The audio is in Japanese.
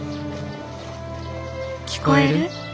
「聞こえる？